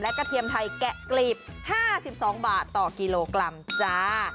กระเทียมไทยแกะกลีบ๕๒บาทต่อกิโลกรัมจ้า